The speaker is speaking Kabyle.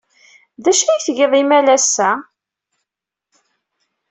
D acu ay tgid imalas-a?